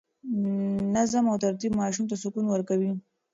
نظم او ترتیب ماشوم ته سکون ورکوي.